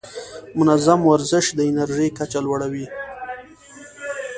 منظم ورزش د انرژۍ کچه لوړه وي.